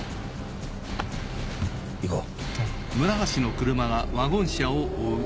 行こう！